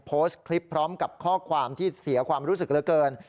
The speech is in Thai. โพสต์คลิปพร้อมกับข้อความที่เสียความรู้สึกเหลือเกิน